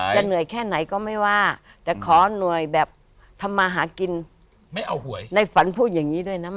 เหนื่อยแค่ไหนก็ไม่ว่าแต่ขอเหนื่อยแบบทำมาหากินไม่เอาหวยในฝันพูดอย่างนี้ด้วยนะ